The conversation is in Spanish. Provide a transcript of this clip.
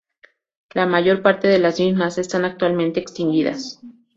La mayor parte de las mismas está actualmente extinguida.